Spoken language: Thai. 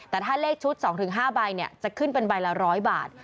แต่ถ้าเลขชุด๒๕ใบจะขึ้นเป็นใบละ๑๐๐บาท